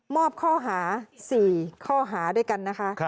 อบข้อหา๔ข้อหาด้วยกันนะคะ